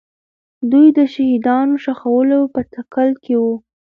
دوی د شهیدانو ښخولو په تکل کې وو.